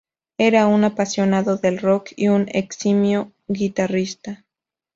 Era un apasionado del rock y un eximio guitarrista.